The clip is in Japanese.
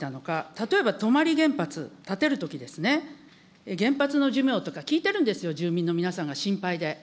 例えば泊原発建てるときですね、原発の寿命とか聞いてるんですよ、住民の皆さんが心配で。